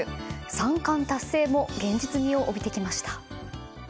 三冠達成も現実味を帯びてきました。